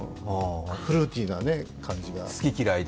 フルーティーな感じがね。